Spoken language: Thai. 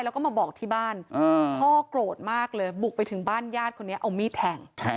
แล้วก็มาบอกที่บ้านพ่อโกรธมากเลยบุกไปถึงบ้านญาติคนนี้เอามีดแทง